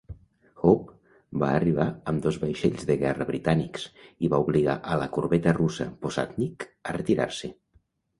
Hope va arribar amb dos vaixells de guerra britànics i va obligar a la corbeta russa "Posadnik" a retirar-se.